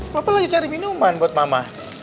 bapak lagi cari minuman buat mama